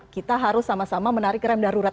kita harus sama sama menarik rem darurat